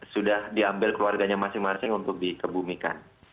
sudah diambil keluarganya masing masing untuk dikebumikan